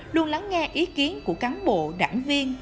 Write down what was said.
luôn lắng nghe ý kiến của cán bộ đảng viên